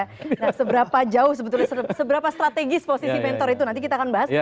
nah seberapa jauh sebetulnya seberapa strategis posisi mentor itu nanti kita akan bahas